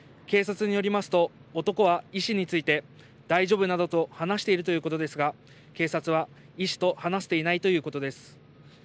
警察によりますと、男は医師について、大丈夫などと話しているということですが、警察は医師と話せていないということです。